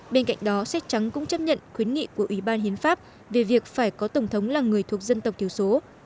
bên cạnh đó sách trắng cũng chấp nhận khuyến nghị của ủy ban hiến pháp về việc phải có tổng thống là người thuộc dân tộc thiểu số